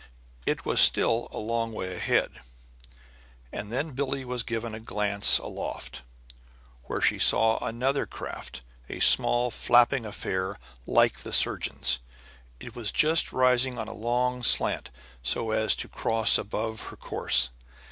It was still a long way ahead. And then Billie was given a glance aloft, where she saw another craft, a small flapping affair like the surgeon's. It was just rising on a long slant so as to cross above her course.